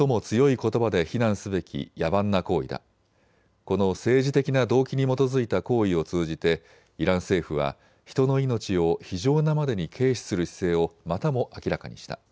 この政治的な動機に基づいた行為を通じてイラン政府は人の命を非情なまでに軽視する姿勢をまたも明らかにした。